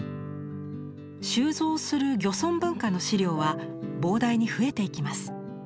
収蔵する漁村文化の資料は膨大に増えていきます。